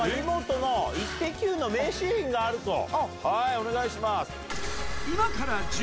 お願いします。